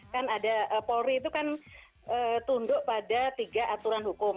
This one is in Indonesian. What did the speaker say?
kan ada polri itu kan tunduk pada tiga aturan hukum